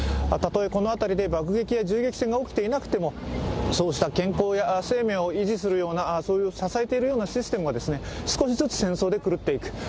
たとえこの辺りで爆撃や銃撃戦が起きていなくても健康や生命を維持するような支えているようなシステムが少しずつ戦争で狂っていく。